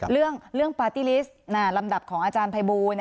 เรื่องปาร์ตี้ลิสต์ลำดับของอาจารย์ภัยบูล